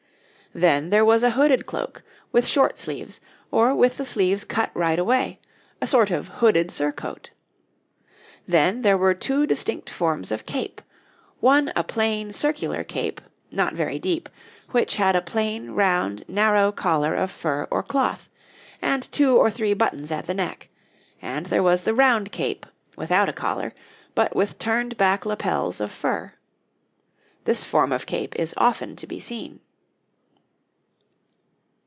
Then there was a hooded cloak, with short sleeves, or with the sleeves cut right away, a sort of hooded surcoat. Then there were two distinct forms of cape: one a plain, circular cape, not very deep, which had a plain, round, narrow collar of fur or cloth, and two or three buttons at the neck; and there was the round cape, without a collar, but with turned back lapels of fur. This form of cape is often to be seen.